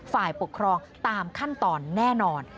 ฝ่ายปกครองตามขั้นตอนแน่นอน